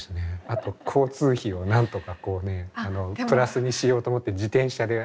あと交通費をなんとかこうねプラスにしようと思って自転車で。